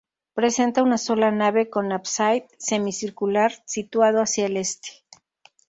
Presenta una sola nave con ábside semicircular situado hacia el este.